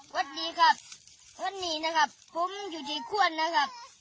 สวัสดีครับวันนี้นะครับผมอยู่ที่ขวนนะครับ